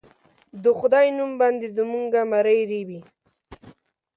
د خدای نوم باندې زموږه مرۍ رېبي